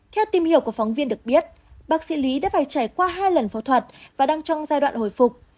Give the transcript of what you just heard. theo tìm hiểu của phóng viên được biết bác sĩ lý đã phải trải qua hai lần phẫu thuật và đang trong giai đoạn hồi phục